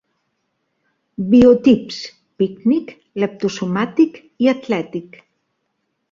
Biotips: pícnic, leptosomàtic i atlètic.